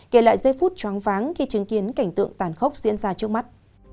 kể lại giây phút choáng váng khi chứng kiến cảnh tượng tàn khốc diễn ra trước mắt